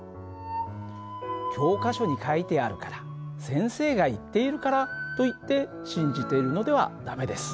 教科書に書いてあるから先生が言っているからといって信じているのでは駄目です。